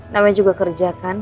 namanya juga kerja kan